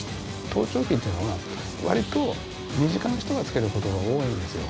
盗聴器っていうのは、わりと身近な人がつけることが多いんですよ。